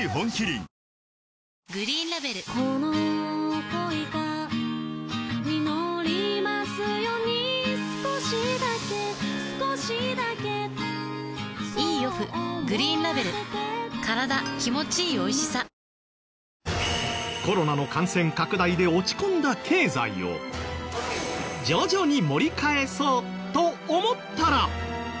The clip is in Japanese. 日本もまだまだ不景気だけどコロナの感染拡大で落ち込んだ経済を徐々に盛り返そうと思ったら。